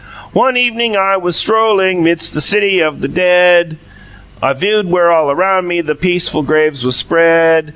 "One evuning I was sturow ling Midst the city of the DEAD, I viewed where all a round me Their PEACE full graves was SPREAD.